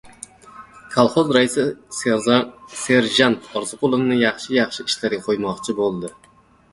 Kolxoz raisi serjant Orziqulovni yaxshi-yaxshi ishlarga qo‘ymoqchi bo‘ldi.